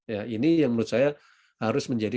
ya ini yang menurut saya harus menjadi